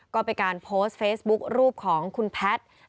ก็เป็นการโพสต์เฟซบุ๊ครูปของคุณแพทย์